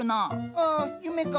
ああ夢か。